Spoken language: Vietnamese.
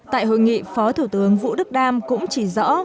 tại hội nghị phó thủ tướng vũ đức đam cũng chỉ rõ